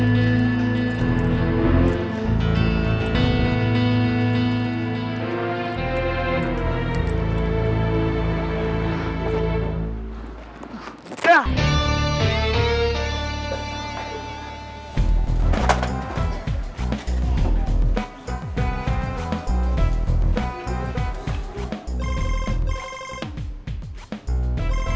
cirebon cerayam cerayam